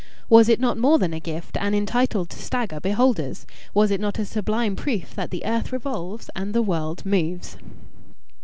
Was it not more than a gift, and entitled to stagger beholders? Was it not a sublime proof that the earth revolves and the world moves?